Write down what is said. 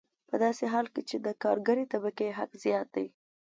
په داسې حال کې چې د کارګرې طبقې حق زیات دی